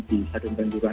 di sadun bandura